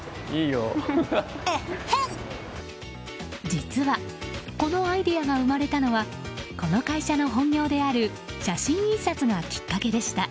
実はこのアイデアが生まれたのはこの会社の本業である写真印刷がきっかけでした。